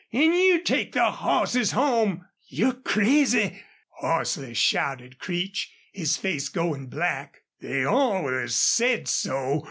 An' you take the hosses home!" "You're crazy!" hoarsely shouted Creech, his face going black. "They allus said so.